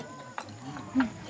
うん。